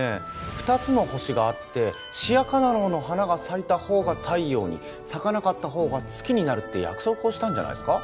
２つの星があってシヤカナローの花が咲いた方が太陽に咲かなかった方が月になるって約束をしたんじゃないすか？